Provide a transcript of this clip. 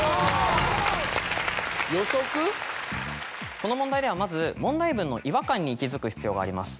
この問題ではまず問題文の違和感に気付く必要があります。